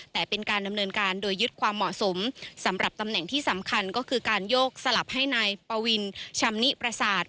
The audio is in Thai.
แต่เป็นการดำเนินการโดยยึดความเหมาะสมสำหรับตำแหน่งที่สำคัญก็คือการโยกสลับให้นายปวินชำนิประสาท